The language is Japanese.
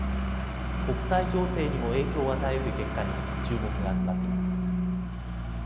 国際情勢にも影響を与えうる結果に注目が集まっています。